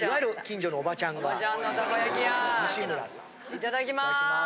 いただきます。